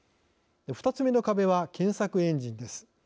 ２つ目の壁は検索エンジンです。